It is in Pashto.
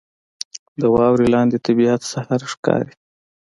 • د واورې لاندې طبیعت سحر ښکاري.